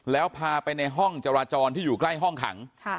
แล้วพาไปในห้องจราจรที่อยู่ใกล้ห้องขัง